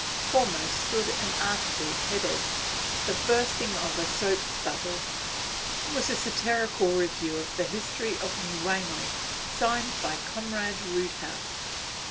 Foremost stood an article headed, 'The Bursting of a Soap Bubble.' It was a satirical review of the history of New Wanley, signed by Comrade Roodhouse.